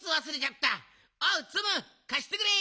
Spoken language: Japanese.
おうツムかしてくれ！